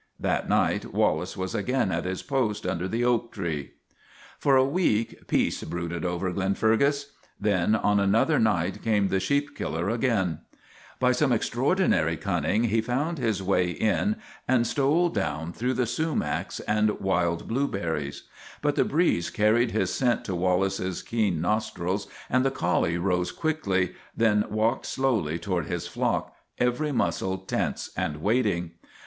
That night Wallace was again at his post under the oak tree. For a week peace brooded over Glenfergus. Then on another night came the sheep killer again. By some extraordinary cunning he found his way in 42 THE TWA DOGS O' GLENFERGUS and stole down through the sumacs and wild blue berries. But the breeze carried his scent to Wal lace's keen nostrils, and the collie rose quickly, then walked slowly toward his flock, every muscle tense and waiting.